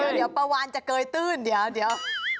เดี๋ยวปลาวานจะเกยตื้นเดี๋ยว